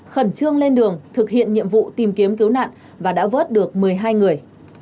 khẩn trương lên đường thực hiện nhiệm vụ tìm kiếm cứu nạn và đã vớt được một mươi hai người